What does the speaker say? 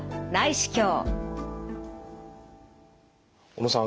小野さん